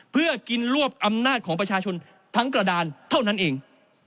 เพื่อกินรวบอำนาจของประชาชนทั้งกระดานเท่านั้นเอง